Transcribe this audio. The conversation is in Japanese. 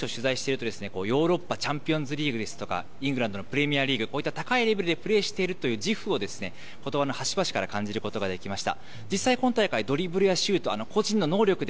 実際、選手を取材していると、ヨーロッパチャンピオンズリーグですとか、イングランドのプレミアリーグ、こういった高いレベルでプレーしているという自負を、ことばの端々から感じることができました。